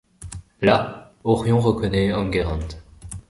Là, Orion reconnait Enguerrand.